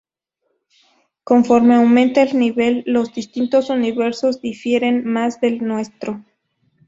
Conforme aumenta el nivel, los distintos universos difieren más del nuestro.